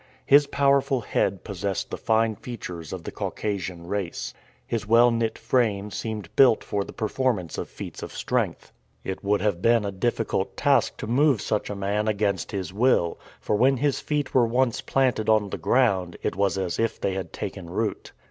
His powerful head possessed the fine features of the Caucasian race. His well knit frame seemed built for the performance of feats of strength. It would have been a difficult task to move such a man against his will, for when his feet were once planted on the ground, it was as if they had taken root.